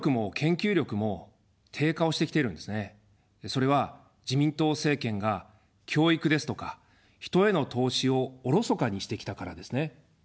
それは自民党政権が教育ですとか、人への投資をおろそかにしてきたからですね。